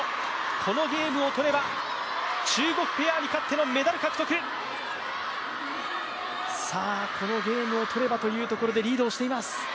このゲームを取れば中国ペアに勝ってのメダル獲得、このゲームを取ればというところでリードしています。